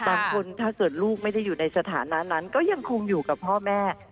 ถ้าเกิดลูกไม่ได้อยู่ในสถานะนั้นก็ยังคงอยู่กับพ่อแม่